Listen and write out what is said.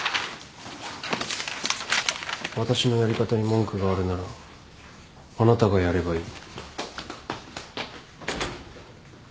私のやり方に文句があるならあなたがやればいい。